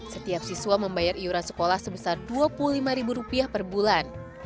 setiap siswa membayar iuran sekolah sebesar rp dua puluh lima per bulan